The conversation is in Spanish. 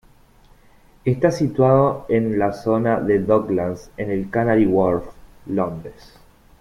Está situado en en la zona de Docklands en el Canary Wharf, Londres.